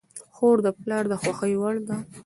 خور د پلار د خوښې وړ ده.